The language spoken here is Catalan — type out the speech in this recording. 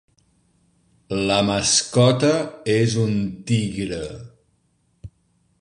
La mascota és un tigre.